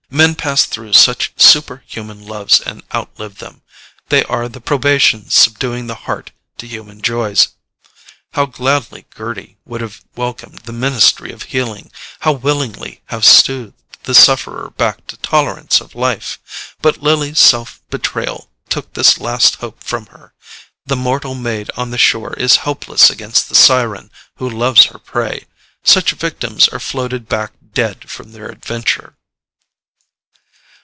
Men pass through such superhuman loves and outlive them: they are the probation subduing the heart to human joys. How gladly Gerty would have welcomed the ministry of healing: how willingly have soothed the sufferer back to tolerance of life! But Lily's self betrayal took this last hope from her. The mortal maid on the shore is helpless against the siren who loves her prey: such victims are floated back dead from their adventure.